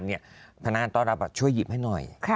พนักงานต้อนรับบัตรช่วยหยิบให้หน่อย